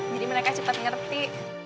jadi mereka cepet ngerti